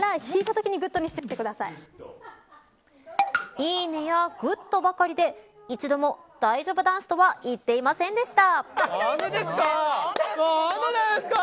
いいねやグッドばかりで一度も大丈夫ダンスとは言っていませんでした。